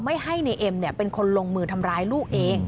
ไม่ให้นายเอ็มเป็นคนลงมือทำร้ายลูกเอง